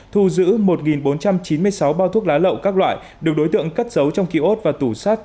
thu giữ một bốn trăm chín mươi sáu bao thuốc lá lậu các loại được đối tượng cất giấu trong kiosk và tủ sát